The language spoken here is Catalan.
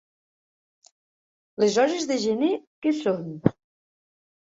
Les hores de gener què són?